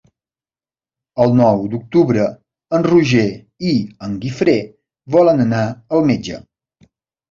El nou d'octubre en Roger i en Guifré volen anar al metge.